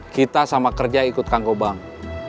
kita sama kerja ikut kang kobang